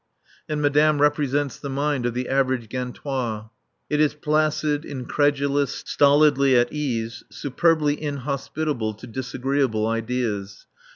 And Madame represents the mind of the average Gantois. It is placid, incredulous, stolidly at ease, superbly inhospitable to disagreeable ideas.